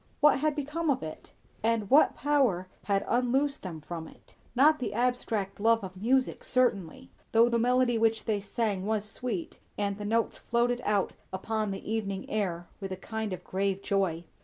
What had become of it? and what power had unloosed them from it? Not the abstract love of music, certainly; though the melody which they sang was sweet, and the notes floated out upon the evening air with a kind of grave joy.